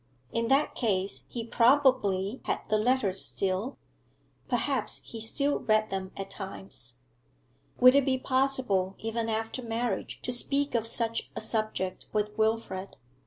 In that case he probably had the letters still; perhaps he still read them at times. Would it be possible, even after marriage, to speak of such a subject with Wilfrid?